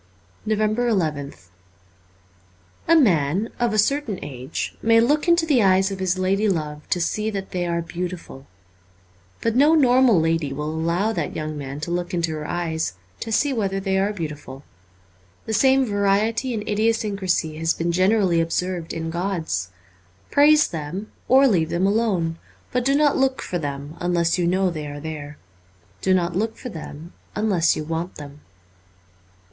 350 NOVEMBER nth A MAN (of a certain age) may look into the eyes of his lady love to see that they are beautiful. But no normal lady will allow that young man to look into her eyes to see whether they are beautiful. The same variety and idiosyncrasy has been generally observed in gods. Praise them ; or leave them alone ; but do not look for them unless you know they are there. Do not look for them unless you want them.